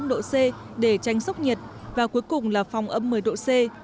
phòng đệm có nhiệt và cuối cùng là phòng ấm một mươi độ c